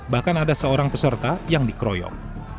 bahkan ada seorang peserta yang dikeroyok